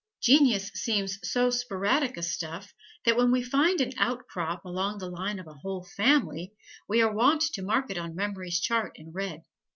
Genius seems so sporadic a stuff that when we find an outcrop along the line of a whole family we are wont to mark it on memory's chart in red.